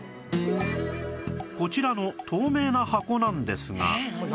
こちらの透明な箱なんですが